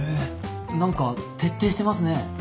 何か徹底してますね。